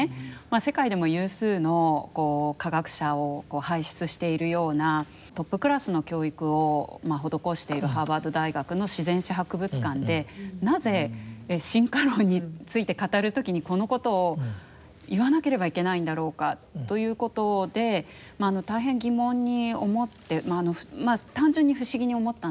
世界でも有数の科学者を輩出しているようなトップクラスの教育を施しているハーバード大学の自然史博物館でなぜ進化論について語る時にこのことを言わなければいけないんだろうかということで大変疑問に思ってまあ単純に不思議に思ったんですね。